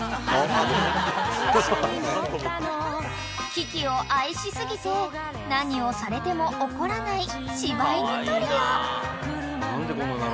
［キキを愛し過ぎて何をされても怒らない柴犬トリオ］